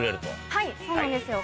はいそうなんですよ